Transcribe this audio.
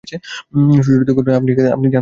সুচরিতা কহিল, আপনি যান এখান থেকে।